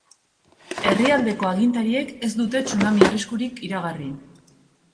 Herrialdeko agintariek ez dute tsunami arriskurik iragarri.